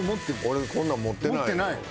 俺こんなん持ってないよ。